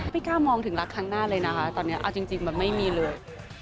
ไม่กล้ามองถึงลักษณ์ข้างหน้าเลยนะคะตอนนี้เอาจริงมันไม่มีเลย